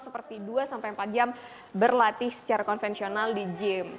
seperti dua sampai empat jam berlatih secara konvensional di gym